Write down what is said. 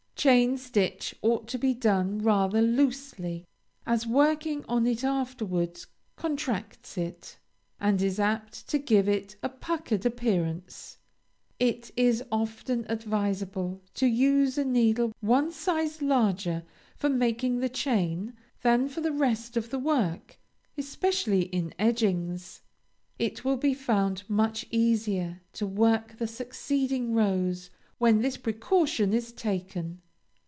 Chain stitch ought to be done rather loosely, as working on it afterwards contracts it, and is apt to give it a puckered appearance. It is often advisable to use a needle one size larger for making the chain than for the rest of the work, especially in edgings. It will be found much easier to work the succeeding rows when this precaution is taken.